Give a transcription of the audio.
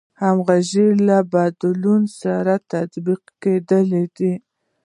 همغږي له بدلون سره تطابق کېدل دي.